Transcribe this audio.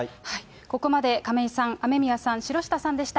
ここまで亀井さん、雨宮さん、城下さんでした。